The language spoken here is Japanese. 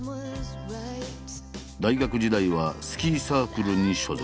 大学時代はスキーサークルに所属。